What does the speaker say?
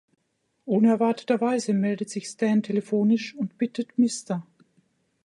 Unerwarteterweise meldet sich Stan telefonisch und bittet Mr.